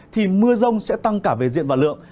thì mưa rông sẽ tăng cả về diện và lượng